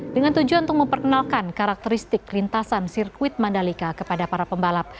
dengan tujuan untuk memperkenalkan karakteristik lintasan sirkuit mandalika kepada para pembalap